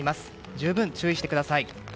十分注意してください。